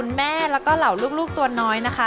แม่แล้วก็เหล่าลูกตัวน้อยนะคะ